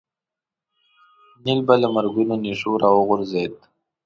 نیل به له مرګونو نېشو راوغورځېد.